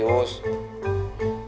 aduh tapi ini gue mau